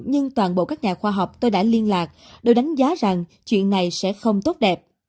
nhưng toàn bộ các nhà khoa học tôi đã liên lạc đều đánh giá rằng chuyện này sẽ không tốt đẹp